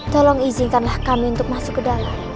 tolong izinkan kami masuk ke dalam